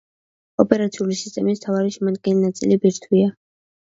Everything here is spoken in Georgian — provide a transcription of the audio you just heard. ოპერაციული სისტემის მთავარი შემადგენელი ნაწილი ბირთვია.